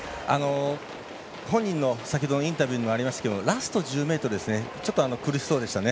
本人の先ほどのインタビューにもありましたけどラスト１０ｍですねちょっと苦しそうでしたね。